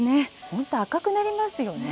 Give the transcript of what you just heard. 本当、赤くなりますよね。